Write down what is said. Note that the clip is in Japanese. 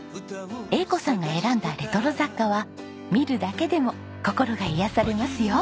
栄子さんが選んだレトロ雑貨は見るだけでも心が癒やされますよ。